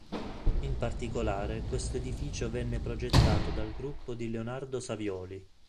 In particolare questo edificio venne progettato dal gruppo di Leonardo Savioli.